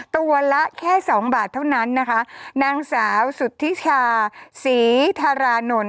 ตัวละแค่สองบาทเท่านั้นนะคะนางสาวสุธิชาศรีธารานนท์